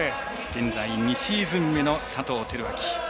現在２シーズン目の佐藤輝明。